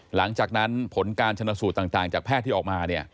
หลังจากนั้นผลการชนสูตรต่างจากแพทย์ที่ออกมา